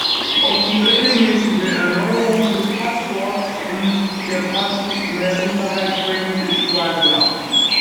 Ob die regelmäßige Erneuerung des Passwortes in der Praxis mehr Sicherheit bringt, ist zweifelhaft.